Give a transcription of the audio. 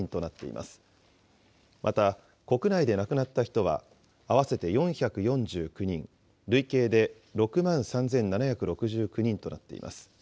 また、国内で亡くなった人は合わせて４４９人、累計で６万３７６９人となっています。